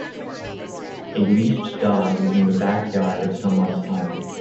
A leashed dog is in the backyard of someone s home